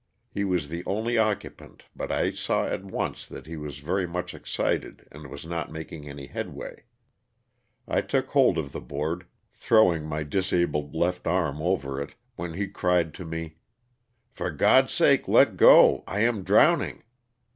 He was the only occupant but I saw at once that he was very much excited and was not making any headway. I took hold of the board, throwing my disabled left arm over it, when he cried to me, "For God's sake let go, I am drowning.'